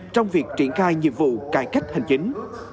trong việc triển khai nhiệm vụ cải cách hành chính